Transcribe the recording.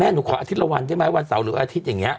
หนูขออาทิตย์ละวันได้ไหมวันเสาร์หรืออาทิตย์อย่างนี้